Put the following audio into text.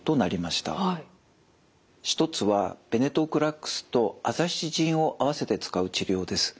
一つはベネトクラクスとアザシチジンを併せて使う治療です。